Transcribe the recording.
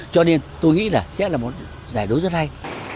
cho nên tôi nghĩ là sẽ là một giải đấu rất hay